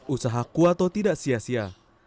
usaha kuato tidak sia sia